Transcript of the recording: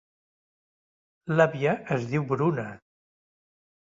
L'àvia es diu Bruna.